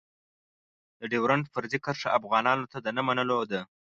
د ډېورنډ فرضي کرښه افغانانو ته د نه منلو ده.